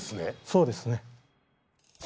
そうですね。